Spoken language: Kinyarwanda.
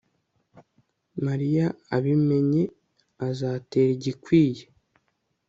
Mariya abimenye azatera igikwiye